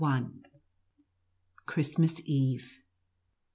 CHRISTMAS EVE.